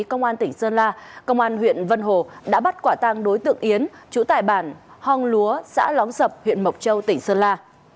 công an huyện vân hồ đã bắt quả tăng đối tượng yến chủ tại bản hong lúa xã lóng sập huyện mộc châu tỉnh sơn la